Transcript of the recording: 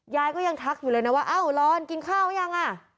ยายก็ยังทักอยู่เลยนะว่าอ้าวร้อนกินข้าวหรือยังอ่ะ